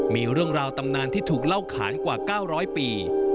มีเรื่องราวตำนานที่ถูกเล่าขานกว่า๙๐๐ปี